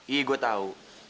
iya gue tahu